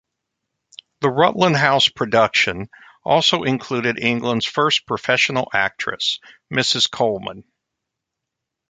The Rutland House production also included England's first professional actress, Mrs. Coleman.